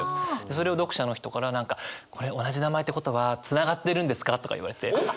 それを読者の人から何か「これ同じ名前ってことはつながってるんですか？」とか言われて。